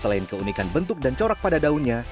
selain keunikan bentuk dan corak pada daunnya